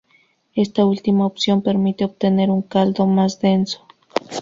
Esta última opción permite obtener un caldo más denso.